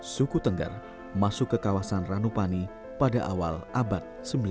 suku tengger masuk ke kawasan ranupani pada awal abad sembilan belas